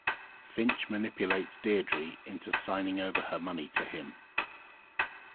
Finch manipulates Deirdre into signing over her money to him.